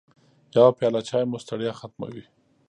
يوه پیاله چای مو ستړیا ختموي.